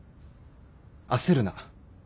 焦るな。